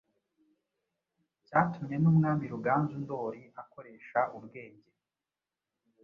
cyatumye n’Umwami Ruganzu Ndoli akoresha ubwenge